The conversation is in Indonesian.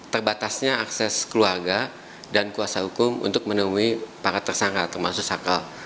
terbatasnya akses keluarga dan kuasa hukum untuk menemui para tersangka termasuk sakal